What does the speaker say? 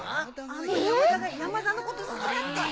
あの山田が山田のこと好きだって。